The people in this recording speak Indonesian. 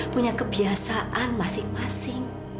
punya kebiasaan masing masing